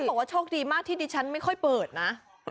บอกว่าโชคดีมากที่ดิฉันไม่ค่อยเปิดนะ